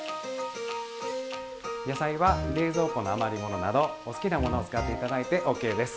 野菜は冷蔵庫の余り物などお好きなものを使って頂いてＯＫです。